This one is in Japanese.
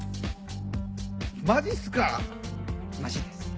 マジっすか⁉マジです。